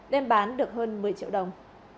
đem bán được hơn một mươi triệu đồng